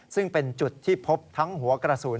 ซึ่งเป็นจุดที่พบทั้งหัวกระสุน